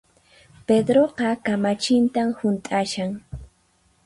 Pedroqa kamachintan hunt'ashan